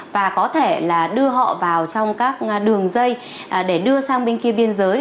và có thể là đưa họ vào trong các đường dây để đưa sang bên kia biên giới